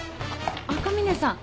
赤嶺さん。